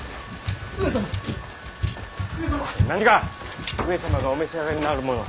何か上様がお召し上がりになるものを！